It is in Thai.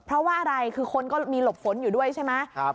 เพราะว่าอะไรคือคนก็มีหลบฝนอยู่ด้วยใช่ไหม